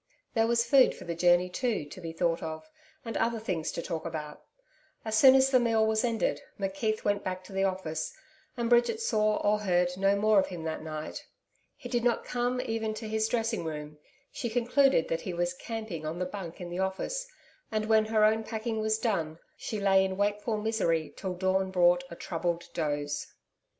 There was food for the journey too, to be thought of, and other things to talk about. As soon as the meal was ended, McKeith went back to the office, and Bridget saw or heard no more of him that night. He did not come even to his dressing room. She concluded that he was 'camping' on the bunk in the office, and when her own packing was done, she lay in wakeful misery till dawn brought a troubled doze.